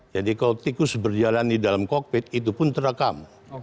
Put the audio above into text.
jadi kalau tikus berjalan di dalam cockpit itu pun terekam